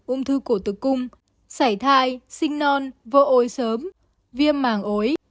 ung thư cổ tử cung sảy thai sinh non vô ối sớm viêm màng ối